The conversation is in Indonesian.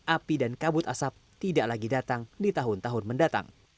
api dan kabut asap tidak lagi datang di tahun tahun mendatang